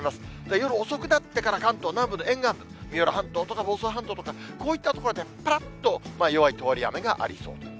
夜遅くなってから関東南部の沿岸部、三浦半島とか、房総半島とか、こういった所でぱらっと、弱い通り雨がありそうです。